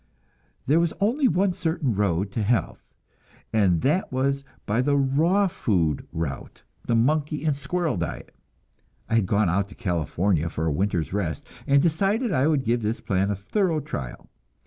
There was only one certain road to health, and that was by the raw food route, the monkey and squirrel diet. I had gone out to California for a winter's rest, and decided I would give this plan a thorough trial.